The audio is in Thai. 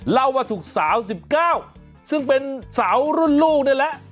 เล่าว่าถูกสาว๑๙ซึ่งเป็นสาวรุ่นลูกนี่แหละ